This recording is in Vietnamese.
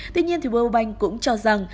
tuy nhiên world bank cũng cho rằng